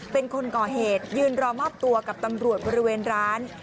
เป็นคนก่อเหตุยืนรอมอบตัวกับตำรวจบริเวณร้าน